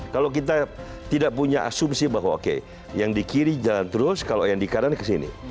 kalau kita tidak punya asumsi bahwa oke yang di kiri jalan terus kalau yang di kanan kesini